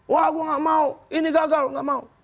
wah gue gak mau ini gagal gak mau